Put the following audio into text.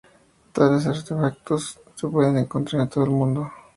Tales artefactos se pueden encontrar en todo el mundo.